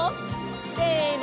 せの！